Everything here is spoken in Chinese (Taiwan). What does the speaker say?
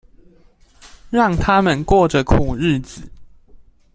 讓他們過著苦日子